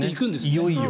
いよいよ。